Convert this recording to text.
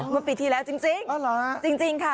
เมื่อปีที่แล้วจริงจริงค่ะ